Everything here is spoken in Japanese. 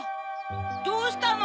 どうしたの？